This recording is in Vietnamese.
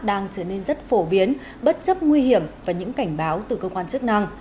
đang trở nên rất phổ biến bất chấp nguy hiểm và những cảnh báo từ cơ quan chức năng